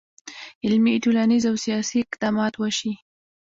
علمي، ټولنیز، او سیاسي اقدامات وشي.